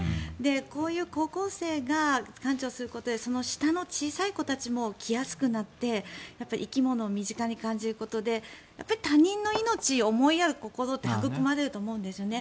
こういう高校生が館長をすることで下の小さい子たちも来やすくなって生き物を身近に感じることで他人の命を思いやる心って育まれると思うんですね。